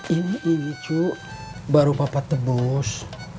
ini ini cu baru papa tebus